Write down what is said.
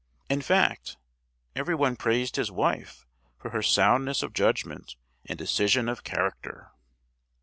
In fact, everyone praised his wife for her soundness of judgment and decision of character!